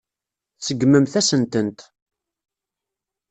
Tseggmemt-asen-tent.